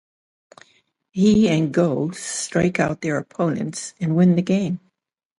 He and Goh strike out their opponents and win the game.